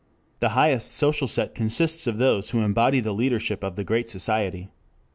The highest social set consists of those who embody the leadership of the Great Society.